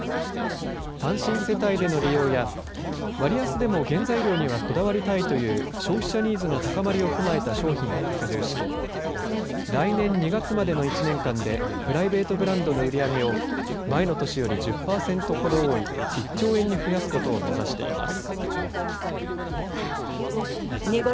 単身世帯での利用や割安でも原材料にはこだわりたいという消費者ニーズの高まりを踏まえた商品を拡充し来年２月までの１年間でプライベートブランドの売り上げを前の年より１０パーセントほど多い１兆円に増やすことを目指しています。